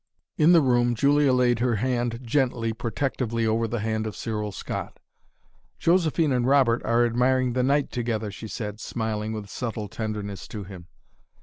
In the room, Julia laid her hand gently, protectively over the hand of Cyril Scott. "Josephine and Robert are admiring the night together!" she said, smiling with subtle tenderness to him.